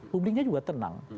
publiknya juga tenang